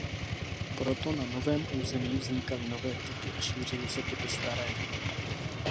Proto na novém území vznikaly nové typy a šířily se typy staré.